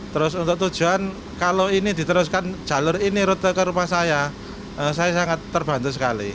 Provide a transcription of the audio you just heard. terus untuk tujuan kalau ini diteruskan jalur ini rute ke rumah saya saya sangat terbantu sekali